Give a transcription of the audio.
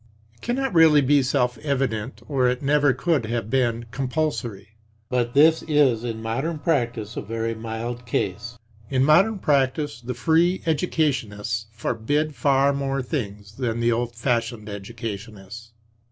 It cannot really be self evident or it never could have been compulsory. But this is in modern practice a very mild case. In modern practice the free educationists forbid far more things than the old fashioned educationists.